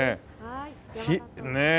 ねえ。